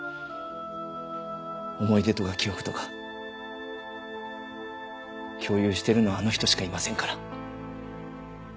思い出とか記憶とか共有しているのはあの人しかいませんから。